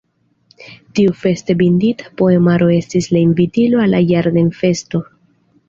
Tiu feste bindita poemaro estis la invitilo al la ĝardenfesto.